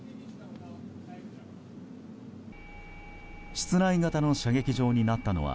室内型の射撃場になったのは